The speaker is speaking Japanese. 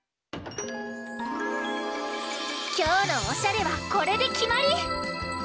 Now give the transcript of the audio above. きょうのおしゃれはこれできまり！